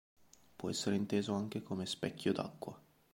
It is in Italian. Può essere inteso anche come "specchio d'acqua".